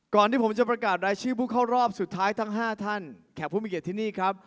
ที่ผมจะประกาศรายชื่อผู้เข้ารอบสุดท้ายทั้ง๕ท่านแขกผู้มีเกียรติที่นี่ครับ